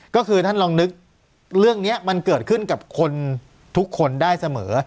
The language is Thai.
ก็คือท่านลองนึกเรื่องนี้มันเกิดขึ้นกับคนทุกคนได้เสมอ